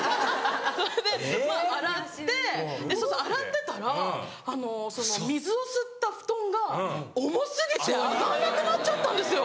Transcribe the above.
それで洗って洗ってたらあのその水を吸った布団が重過ぎて上がらなくなっちゃったんですよ。